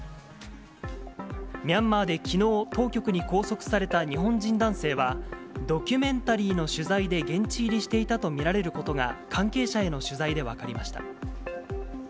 ミャンマーできのう、当局に拘束された日本人男性は、ドキュメンタリーの取材で現地入りしていたと見られることが関係者への取材で分かりました。